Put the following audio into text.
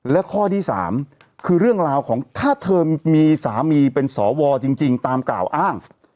และข้อที่๓คือเรื่องราวของถ้าเธอมีสามีเป็นสวจริงตามกล่าวอ้าง